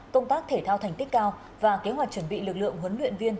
công tác thể thao thành tích cao và kế hoạch chuẩn bị lực lượng huấn luyện viên